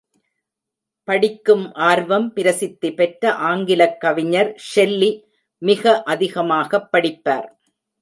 படிக்கும் ஆர்வம் பிரசித்தி பெற்ற ஆங்கிலக் கவிஞர் ஷெல்லி மிக அதிகமாகப் படிப்பார்.